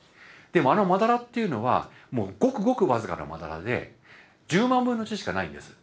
あのまだらっていうのはごくごく僅かなまだらで１０万分の１しかないんです。